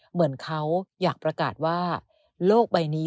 เหมือนเขาอยากประกาศว่าโลกใบนี้